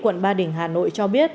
quận ba đình hà nội cho biết